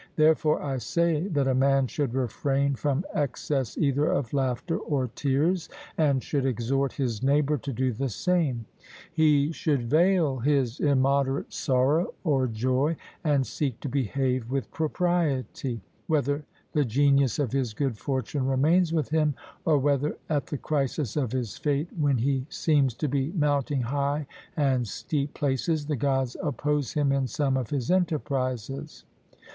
Therefore I say that a man should refrain from excess either of laughter or tears, and should exhort his neighbour to do the same; he should veil his immoderate sorrow or joy, and seek to behave with propriety, whether the genius of his good fortune remains with him, or whether at the crisis of his fate, when he seems to be mounting high and steep places, the Gods oppose him in some of his enterprises.